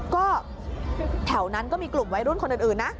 ก็แถวนั้นก็มีกลุ่มวัยรุ่นคนอื่นนะ